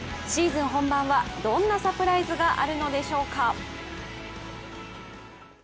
シーズン本番はどんなサプライズがあるのでしょうか。